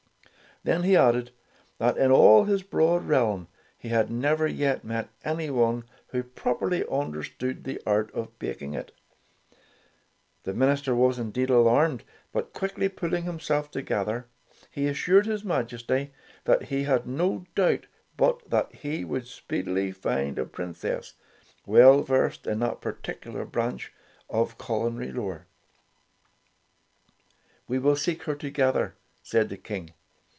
Then he added that in all his broad realm he had never yet met anyone who properly understood the art of baking it. The minister was indeed alarmed, but quickly pulling himself together, he assured his Majesty that he had no doubt but that he would speedily find a princess well versed in that particular branch of culinary lore. "We will seek her together," said the King.